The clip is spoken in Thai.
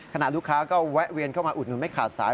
ลูกค้าก็แวะเวียนเข้ามาอุดหนุนไม่ขาดสาย